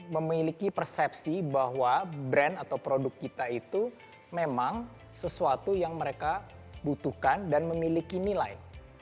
memiliki persepsi bahwa brand atau produk kita itu memang sesuatu yang mereka butuhkan dan memiliki nilai